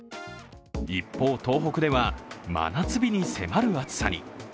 一方、東北では真夏日に迫る暑さに。